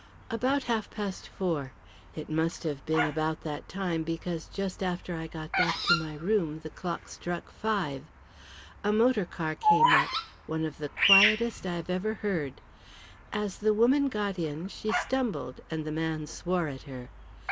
"About half past four. It must have been about that time, because just after I got back to my room the clock struck five. A motor car came up, one of the quietest I have ever heard. As the woman got in she stumbled, and the man swore at her.